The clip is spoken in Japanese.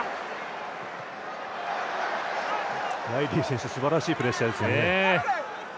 ライリー選手、すばらしいプレッシャーですね。